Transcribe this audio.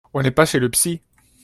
On n’est pas chez le psy